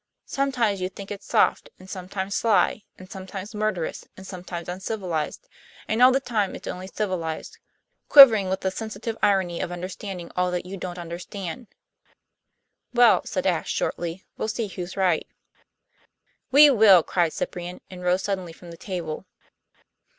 Sometimes you think it's soft, and sometimes sly, and sometimes murderous, and sometimes uncivilized; and all the time it's only civilized; quivering with the sensitive irony of understanding all that you don't understand." "Well," said Ashe shortly, "we'll see who's right." "We will," cried Cyprian, and rose suddenly from the table.